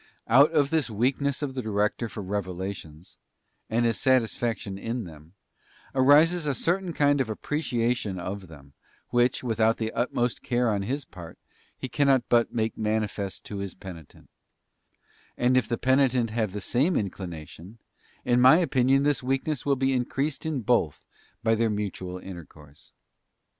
Out of this weakness of the director for revelations, and his satis faction in them, arises a certain kind of appreciation of them, which, without the titmost care on his part, he cannot but make manifest to his penitent ; and if the penitent have the same inclination, in my opinion this weakness will be increased in both by their mutual intercourse.